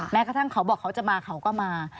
แม้กระทั่งเขาบอกเขาจะมาเขาก็มา